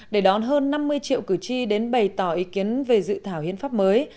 để đón hơn năm mươi triệu cử tri đến bày tỏ ý kiến về dự thảo hiến pháp mới